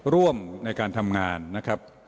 ร่วมในการทำงานนะครับ